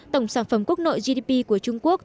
tổng sản phẩm quốc nội gdp của trung quốc